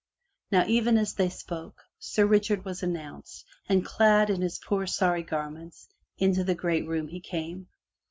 Now even as they spoke, Sir Richard was announced and, clad in his poor sorry garments, into the great room he came.